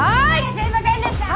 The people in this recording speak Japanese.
すいませんでした！